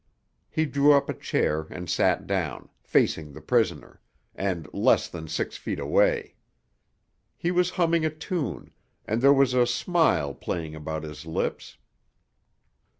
He drew up a chair and sat down, facing the prisoner, and less than six feet away. He was humming a tune, and there was a smile playing about his lips.